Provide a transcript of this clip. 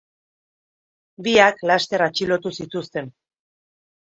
Biak laster atxilotu zituzten.